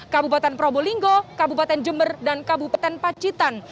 kabupaten probolinggo kabupaten jember dan kabupaten pacitan